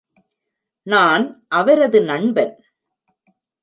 நான் அவரது நண்பன்.